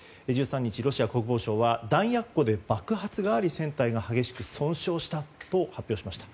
１３日、ロシア国防省は弾薬庫で爆発があり船体が激しく損傷したと発表しました。